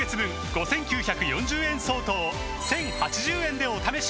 ５，９４０円相当を１，０８０円でお試しいただけます